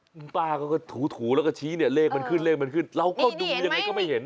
คุณป้าก็ถูแล้วก็ชี้เลขมันขึ้นเราก็ดูยังไงก็ไม่เห็น